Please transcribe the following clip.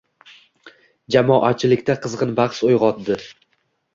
Jamoatchilikda qizg'in bahs uyg'otdi.